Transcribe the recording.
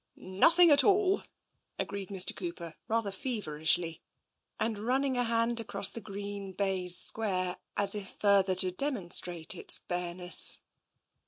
" Nothing at all," agreed Mr. Cooper, rather fever ishly, and running a hand across the green baize square as though further to demonstrate its bareness.